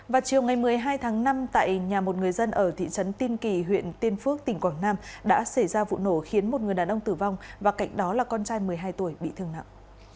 vào chiều ngày một mươi hai tháng năm tại nhà một người dân ở thị trấn tiên kỳ huyện tiên phước tỉnh quảng nam đã xảy ra vụ nổ khiến một người đàn ông tử vong và cạnh đó là con trai một mươi hai tuổi bị thương nặng